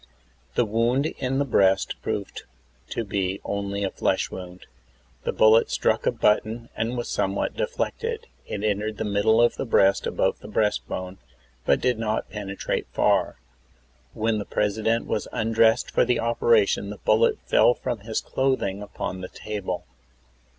The wound in the breast proved tO' be only a flesh wound. The bullet struck a button and was somewhat deflected. It entered the middle of the breast above the breast bone, but did not penetrate far. When the President was undressed for the operation the bullet fell from his clothing upon the table.